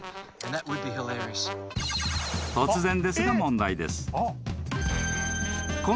［突然ですが問題です］